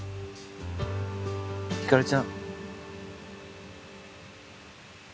ひかりちゃん。